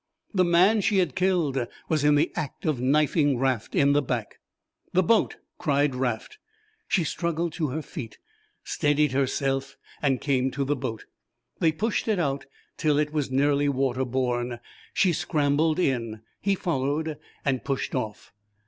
The man she had killed was in the act of knifing Raft in the back. "The boat!" cried Raft. She struggled to her feet, steadied herself, and came to the boat. They pushed it out till it was nearly water borne; she scrambled in, he followed, and pushed off.